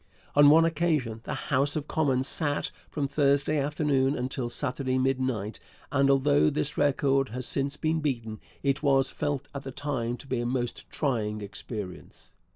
On one occasion the House of Commons sat from Thursday afternoon until Saturday midnight, and although this record has since been beaten, it was felt at the time to be a most trying experience.